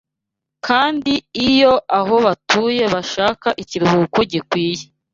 Kandi iyo aho batuye bashaka ikiruhuko gikwiye